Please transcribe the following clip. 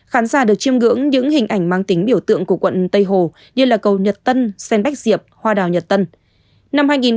khán giả được chiêm ngưỡng những hình ảnh mang tính biểu tượng của quận tây hồ như là cầu nhật tân sen bách diệp hoa đào nhật tân